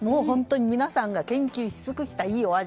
皆さんが研究し尽くしたいいお味。